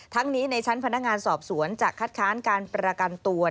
ทั้งนี้ในชั้นพนักงานสอบสวนจะคัดค้านการประกันตัว